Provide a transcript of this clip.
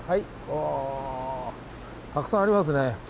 おぉたくさんありますね。